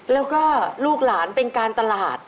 แล้วก็ลูกหลานเป็นการตลาด